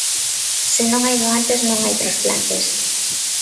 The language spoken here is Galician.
Se non hai doantes non hai transplantes.